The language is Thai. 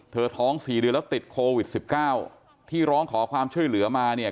ท้องสี่เดือนแล้วติดโควิด๑๙ที่ร้องขอความช่วยเหลือมาเนี่ย